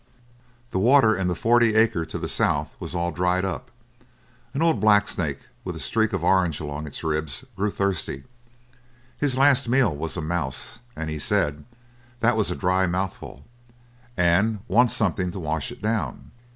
The water in the forty acre to the south was all dried up. An old black snake with a streak of orange along his ribs grew thirsty. His last meal was a mouse, and he said, "That was a dry mouthful, and wants something to wash it down."